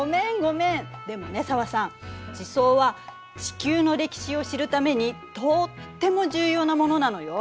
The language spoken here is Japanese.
でもね紗和さん地層は地球の歴史を知るためにとっても重要なものなのよ。